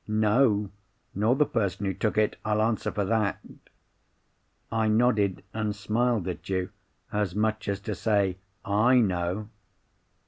No! nor the person who took it—I'll answer for that.' I nodded, and smiled at you, as much as to say, 'I know!